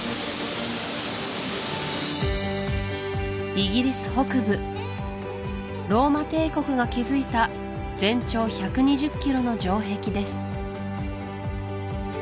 イギリス北部ローマ帝国が築いた全長１２０ｋｍの城壁です